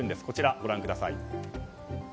こちらご覧ください。